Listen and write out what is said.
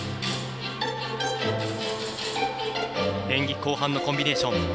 演技後半のコンビネーション。